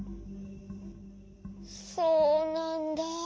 そうなんだ。